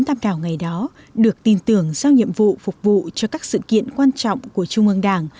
tàm đảo ngày đó được tin tưởng giao nhiệm vụ phục vụ cho các sự kiện quan trọng của trung ương đảng